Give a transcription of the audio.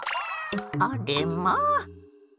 あれまあ！